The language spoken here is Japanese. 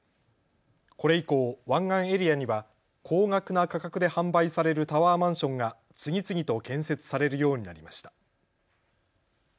これ以降、湾岸エリアには高額な価格で販売されるタワーマンションが次々と建設されるようになりました。